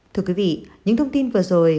thưa quý vị những thông tin vừa rồi